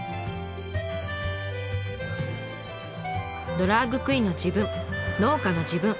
ドラァグクイーンの自分農家の自分。